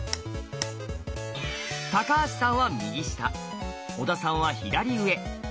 橋さんは右下小田さんは左上。